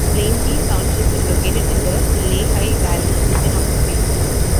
Plainfield Township is located in the Lehigh Valley region of the state.